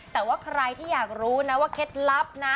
แต่ว่าใครที่อยากรู้นะว่าเคล็ดลับนะ